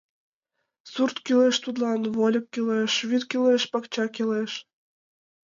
Сурт кулеш тудлан, вольык кӱлеш, вӱд кӱлеш, пакча кӱлеш...